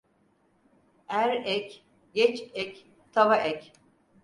Er ek, geç ek, tava ek.